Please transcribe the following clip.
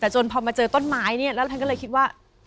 แต่จนพอมาเจอต้นไม้เนี่ยแล้วท่านก็เลยคิดว่า